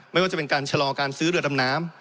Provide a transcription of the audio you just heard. ไม่ว่าจะเป็นการชะลอการซื้อเรือดำน้ำ